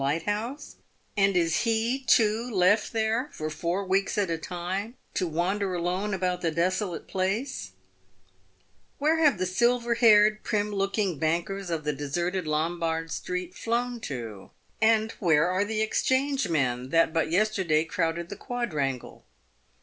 Lighthouse ? and is he too left there for four weeks at a time to wander alone about the desolate place ? "Where have the silver haired, prim looking bankers of the de serted Lombard street flown to ? and where are the Exchange men that but yesterday crowded the quadrangle